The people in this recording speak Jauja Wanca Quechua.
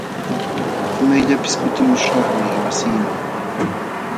Imayllapis kutimuśhaqmi wasiiman.